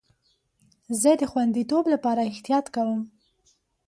زه د خوندیتوب لپاره احتیاط کوم.